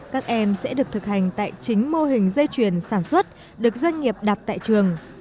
các em sẽ được thực hành tại chính mô hình dây chuyền sản xuất được doanh nghiệp đặt tại trường